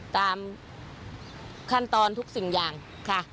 ตามขั้นตอนทุกสิ่งอย่างค่ะ